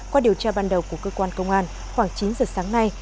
qua điều tra ban đầu của cơ quan công an khoảng chín giờ sáng nay